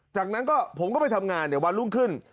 จากนั้นก็ผมก็ไปทำงานวันรุ่งขึ้น